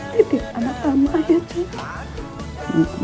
tidik anak tamu aja cuy